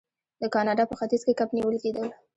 د کاناډا په ختیځ کې کب نیول کیدل.